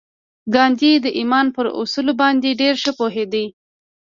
ګاندي د ایمان پر اصل باندې ډېر ښه پوهېده